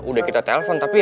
tapi udah kita telpon tapi ya